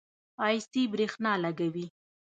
ایسی برښنا لګوي